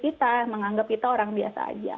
kita menganggap kita orang biasa aja